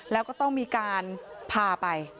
แล้วก็ต้องมีการพาไป